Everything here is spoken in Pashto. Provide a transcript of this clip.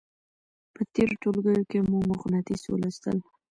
په تېرو ټولګیو کې مو مقناطیس ولوستل.